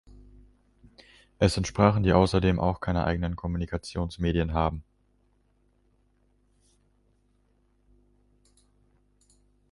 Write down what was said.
Es sind Sprachen, die außerdem auch keine eigenen Kommunikationsmedien haben.